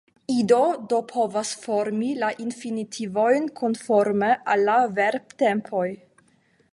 Ido do povas formi la infinitivojn konforme al la verbtempoj.